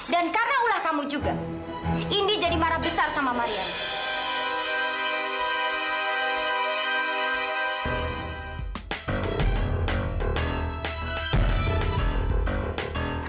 dan karena ulah kamu juga indy jadi marah besar sama mariana